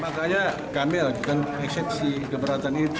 makanya kami lakukan eksepsi keberatan itu